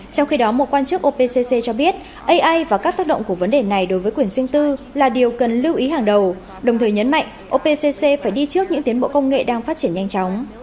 trong khi đó một quan chức opc cho biết ai và các tác động của vấn đề này đối với quyền riêng tư là điều cần lưu ý hàng đầu đồng thời nhấn mạnh opc phải đi trước những tiến bộ công nghệ đang phát triển nhanh chóng